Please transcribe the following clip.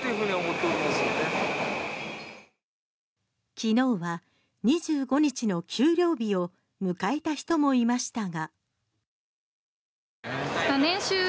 昨日は２５日の給料日を迎えた人もいましたが。